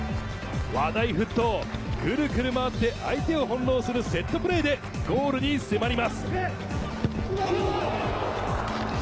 話題沸騰、クルクル回って、相手を翻弄するセットプレーでゴールに迫ります。